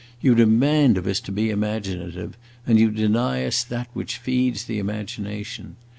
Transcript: You demand of us to be imaginative, and you deny us that which feeds the imagination.